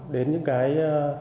đến những cái